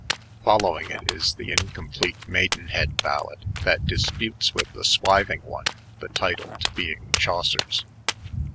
Followicg it is the incomplete Maidenbead Balade that disput«S with the Swiving one the title to being Chaucer's.